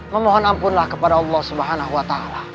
memohon ampunlah kepada allah swt